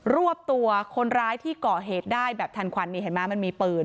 รวบตัวคนร้ายที่ก่อเหตุได้แบบทันควันนี่เห็นไหมมันมีปืน